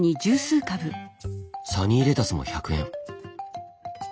サニーレタスも１００円。